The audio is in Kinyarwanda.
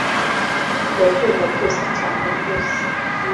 ndabyumva byose cyane rwose